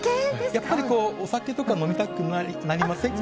やっぱりお酒とか飲みたくなりませんか。